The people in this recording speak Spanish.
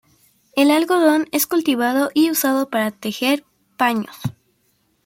El algodón es cultivado y usado para tejer paños.